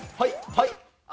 はい！